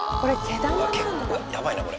結構、やばいな、これ。